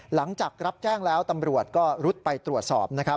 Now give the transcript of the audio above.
หลังจากรับแจ้งแล้วตำรวจก็รุดไปตรวจสอบนะครับ